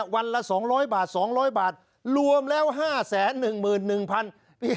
วันละ๒๐๐บาท๒๐๐บาทรวมแล้ว๕๑๑๐๐บาท